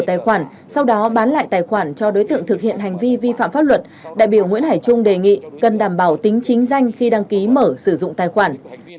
tài khoản sau đó bán lại tài khoản cho đối tượng thực hiện hành vi vi phạm pháp luật đại biểu nguyễn hải trung đề nghị cần đảm bảo tính chính danh khi đăng ký mở sử dụng tài khoản